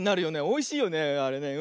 おいしいよねあれね。